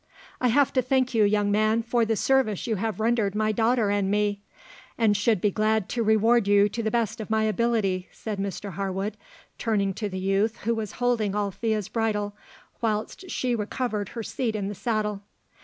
"I have to thank you, young man, for the service you have rendered my daughter and me, and should be glad to reward you to the best of my ability," said Mr Harwood, turning to the youth who was holding Alethea's bridle whilst she recovered her seat in the saddle.